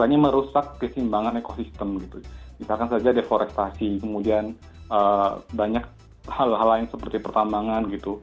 misalnya merusak keseimbangan ekosistem misalkan saja deforestasi kemudian banyak hal hal lain seperti pertambangan